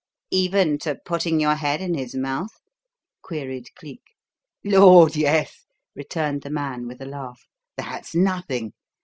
"Even to putting your head in his mouth?" queried Cleek. "Lord yes!" returned the man, with a laugh. "That's nothing.